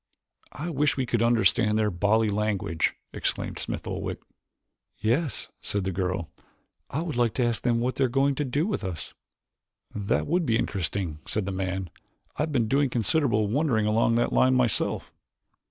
"I wish we could understand their bally language," exclaimed Smith Oldwick. "Yes," said the girl, "I would like to ask them what they are going to do with us." "That would be interesting," said the man. "I have been doing considerable wondering along that line myself."